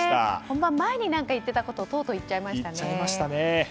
本番前に言っていたことをとうとう言っちゃいましたね。